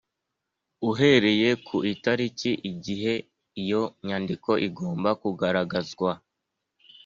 uhereye ku itariki igihe iyo nyandiko igomba kugaragazwa